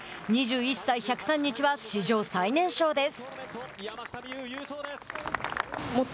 ２１歳１０３日は史上最年少です。